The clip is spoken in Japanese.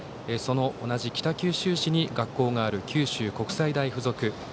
同じ北九州市に学校がある九州国際大付属。